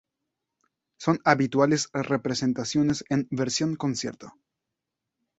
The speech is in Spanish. Son habituales representaciones en versión concierto.